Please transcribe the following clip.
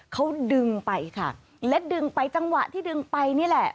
เขาดึงไปค่ะและดึงไปจังหวะที่ดึงไปนี่แหละ